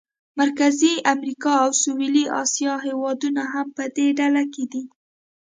مرکزي امریکا او سویلي اسیا هېوادونه هم په دې ډله کې دي.